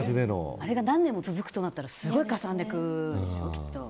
あれが何年も続くとなったらすごいかさんでいくでしょ。